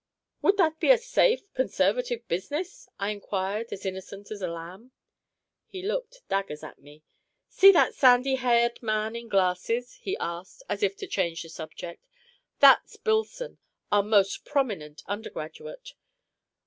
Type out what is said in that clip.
"Would that be a safe, conservative business?" I inquired, as innocent as a lamb. He looked daggers at me. "See that sandy haired man in glasses?" he asked, as if to change the subject. "That's Billson, our most prominent undergraduate.